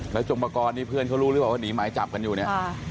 แล้วจงปกรณ์นี่เพื่อนเขารู้หรือเปล่าว่าหนีหมายจับกันอยู่เนี่ย